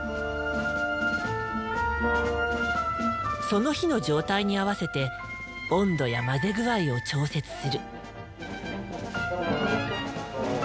その日の状態に合わせて温度や混ぜ具合を調節する。